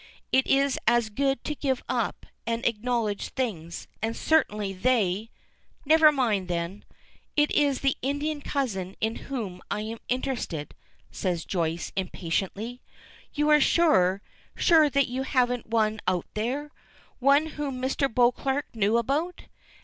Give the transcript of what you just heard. It is as good to give up, and acknowledge things and certainly they " "Never mind them. It is the Indian cousin in whom I am interested," says Joyce, impatiently. "You are sure, sure that you haven't one out there? One whom Mr. Beauclerk knew about?